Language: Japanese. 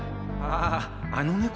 あああの猫